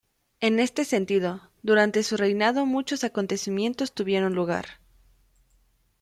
En este sentido, durante su reinado muchos acontecimientos tuvieron lugar.